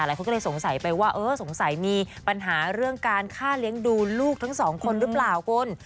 หลายคนก็เลยสงสัยไปว่าเออสงสัยมีปัญหาเรื่องการฆ่าเลี้ยงดูลูกทั้งสองคนหรือเปล่าคุณ